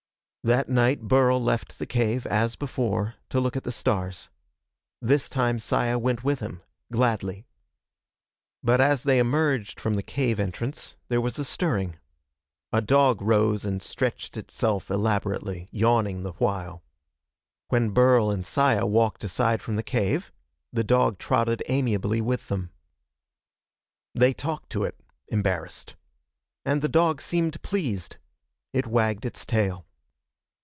That night Burl left the cave, as before, to look at the stars. This time Saya went with him, gladly. But as they emerged from the cave entrance there was a stirring. A dog rose and stretched itself elaborately, yawning the while. When Burl and Saya walked aside from the cave, the dog trotted amiably with them. They talked to it, embarrassed. And the dog seemed pleased. It wagged its tail.